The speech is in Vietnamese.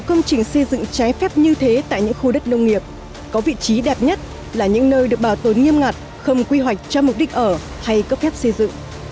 công trình xây dựng trái phép như thế tại những khu đất nông nghiệp có vị trí đẹp nhất là những nơi được bảo tồn nghiêm ngặt không quy hoạch cho mục đích ở hay cấp phép xây dựng